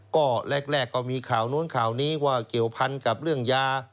ก็แรกก็มีข่าวนู้นข่าวนี้ว่าเกี่ยวพันกับเรื่องยา